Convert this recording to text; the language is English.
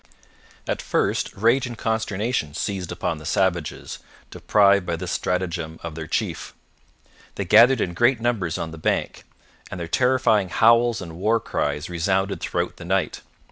At first rage and consternation seized upon the savages, deprived by this stratagem of their chief. They gathered in great numbers on the bank, and their terrifying howls and war cries resounded throughout the night.